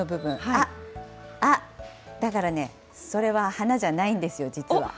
あっ、あっ、だからね、それは花じゃないんですよ、実は。